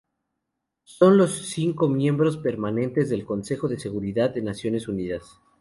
Son los cinco miembros permanentes del Consejo de Seguridad de Naciones Unidas.